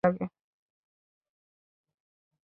আমার বাবার কান চুলকায় আর অনেক অস্বস্তি লাগে।